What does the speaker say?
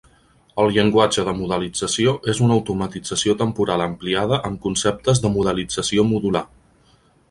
El llenguatge de modelització és una automatització temporal ampliada amb conceptes de modelització modular.